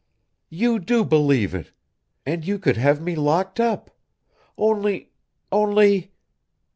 "You do believe it. And you could have me locked up. Only ... only...."